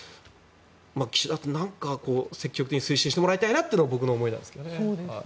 岸田さん、積極的に推進してもらいたいなというのが僕の思いなんですけどね。